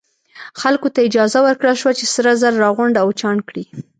خلکو ته اجازه ورکړل شوه چې سره زر راغونډ او چاڼ کړي.